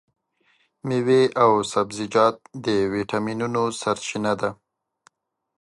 مېوې او سبزیجات د ویټامینونو سرچینه ده.